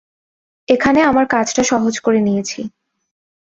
এখানে আমার কাজটা সহজ করে নিয়েছি।